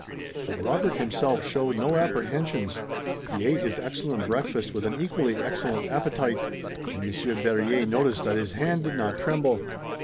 But Robert himself showed no apprehensions. He ate his excellent breakfast with an equally excellent appetite, and Monsieur Berryer noticed that his hand did not tremble.